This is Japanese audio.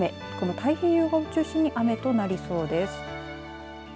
太平洋側を中心に雨となりそうです。